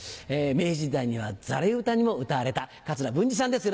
明治時代には戯歌にも歌われた桂文治さんです